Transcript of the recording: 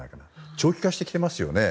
長期化していますよね。